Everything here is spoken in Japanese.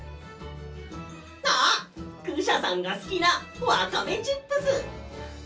あっクシャさんがすきなワカメチップス！